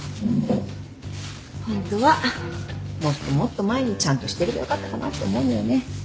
ホントはもっともっと前にちゃんとしてればよかったかなって思うのよね。